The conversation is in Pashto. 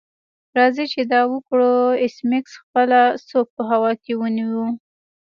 راځئ چې دا وکړو ایس میکس خپله سوک په هوا کې ونیو